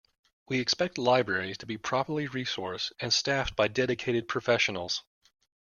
We expect libraries to be properly resourced and staffed by dedicated professionals.